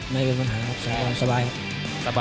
ไม่เป็นปัญหาครับสบายครับ